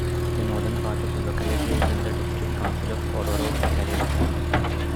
The northern part of the locality is in the District Council of Orroroo Carrieton.